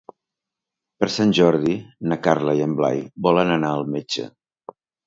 Per Sant Jordi na Carla i en Blai volen anar al metge.